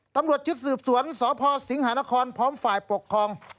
ตำรวจชุดสืบสวนสพสิงหานครพร้อมฝ่ายปกครอง